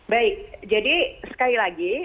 baik jadi sekali lagi